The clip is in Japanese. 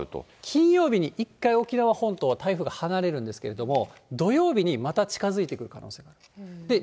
金曜日に一回、沖縄本島から台風が離れるんですけれども、土曜日にまた近づいてくるかもしれないです。